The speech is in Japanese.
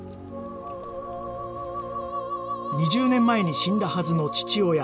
２０年前に死んだはずの父親